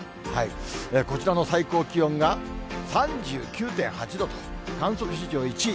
こちらの最高気温が３９．８度と、観測史上１位。